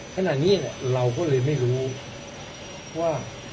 ขณะนี้เราก็เลยไม่รู้ว่า